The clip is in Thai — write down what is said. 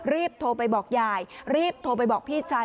รีบโทรไปบอกยายรีบโทรไปบอกพี่ชาย